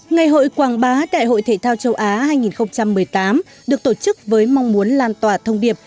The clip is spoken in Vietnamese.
ngày hội quảng bá đại hội thể thao châu á hai nghìn một mươi tám được tổ chức với mong muốn lan tỏa thông điệp